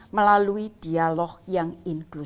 melalui dialog yang berbeda